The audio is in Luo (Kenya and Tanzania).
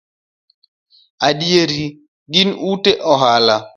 Adiera, gin ute ohala